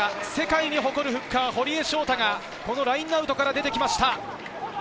１６番、日本が世界に誇るフッカー・堀江翔太がラインアウトから出てきました。